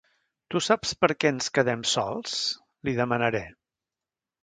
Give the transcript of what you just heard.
¿Tu saps per què ens quedem sols?, li demanaré.